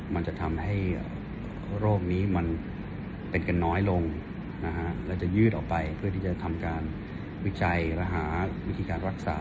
มันจะทำให้โรคนี้มันเป็นกันน้อยลงแล้วจะยืดออกไปเพื่อที่จะทำการวิจัยและหาวิธีการรักษา